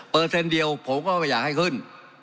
เปอร์เซ็นต์เดียวผมว่าไม่อยากให้ขึ้น